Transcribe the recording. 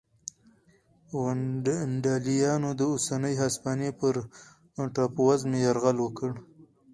ونډالیانو د اوسنۍ هسپانیا پر ټاپو وزمې یرغل وکړ